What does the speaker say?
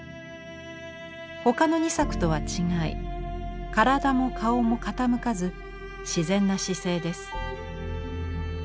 他の２作とは違い体も顔も傾かず自然な姿勢です。